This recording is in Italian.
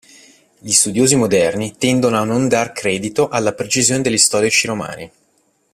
Gli studiosi moderni tendono a non dar credito alla precisione degli storici romani.